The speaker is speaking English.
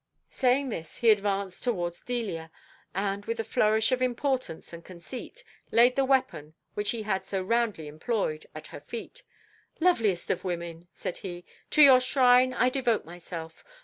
Saying this, he advanced towards Delia, and, with a flourish of importance and conceit, laid the weapon, which he had so roundly employed, at her feet. "Loveliest of women," said he, "to your shrine I devote myself.